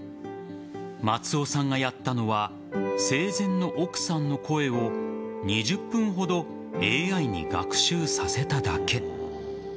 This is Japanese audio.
松尾さんがやったのは生前の奥さんの声を２０分ほどＡＩに学習させただけ。